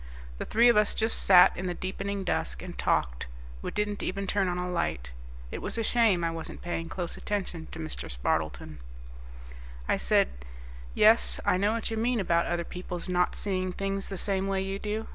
The three of us just sat in the deepening dusk, and talked. We didn't even turn on a light. It was a shame I wasn't paying close attention to Mr. Spardleton. I said, "Yes, I know what you mean about other people's not seeing things the same way you do.